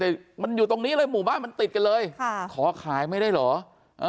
แต่มันอยู่ตรงนี้เลยหมู่บ้านมันติดกันเลยค่ะขอขายไม่ได้เหรอเออ